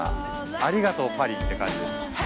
ありがとうパリって感じです。